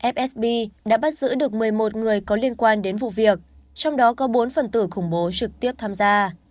fsb đã bắt giữ được một mươi một người có liên quan đến vụ việc trong đó có bốn phần tử khủng bố trực tiếp tham gia